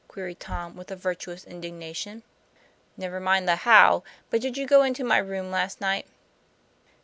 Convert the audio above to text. queried Tom with virtuous indignation. "Never mind the 'how,' but did you go into my room last night?"